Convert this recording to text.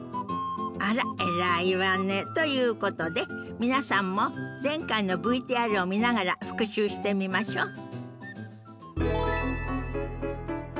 あら偉いわね。ということで皆さんも前回のＶＴＲを見ながら復習してみましょ。